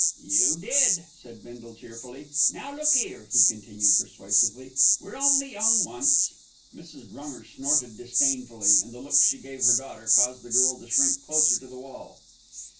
"You did," said Bindle cheerfully. "Now, look 'ere," he continued persuasively, "we're only young once." Mrs. Brunger snorted disdainfully; and the look she gave her daughter caused the girl to shrink closer to the wall.